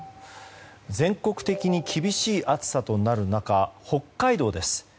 全国的に厳しい暑さとなる中北海道です。